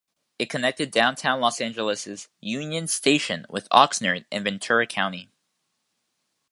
It connected downtown Los Angeles's Union Station with Oxnard in Ventura County.